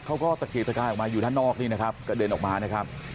เขาก็ตะเกียกตะกายออกมาอยู่ด้านนอกนี่นะครับกระเด็นออกมานะครับ